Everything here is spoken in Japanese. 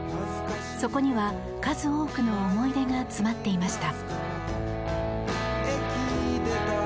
そこには数多くの思い出が詰まっていました。